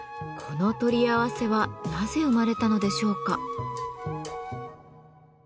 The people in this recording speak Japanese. この「とりあわせ」はなぜ生まれたのでしょうか？